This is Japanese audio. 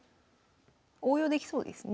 応用できそうですね。